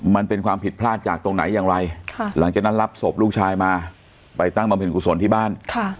มันเป็นความผิดพลาดจากตรงไหนอย่างไรหลังจากนั้นรับศพลูกชายมาไปตั้งบำเพ็ญกุศลที่บ้าน